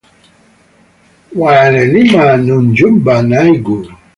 Waw'elima nyumba naighu.